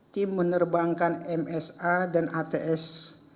tim menerbangkan msa dan ats